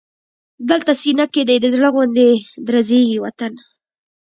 دلته سینه کې دی د زړه غوندې درزېږي وطن